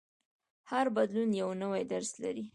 هر بدلون یو نوی درس لري.